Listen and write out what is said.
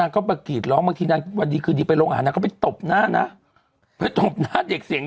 ก็ต้องหาหมอจริง